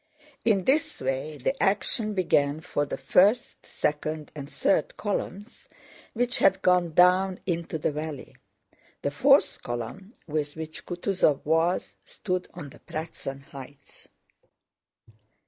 In this way the action began for the first, second, and third columns, which had gone down into the valley. The fourth column, with which Kutúzov was, stood on the Pratzen Heights.